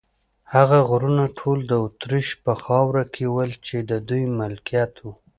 هغه غرونه ټول د اتریش په خاوره کې ول، چې د دوی ملکیت و.